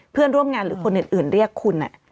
เพื่อนร่วมงานหรือคนอื่นเรียกคุณ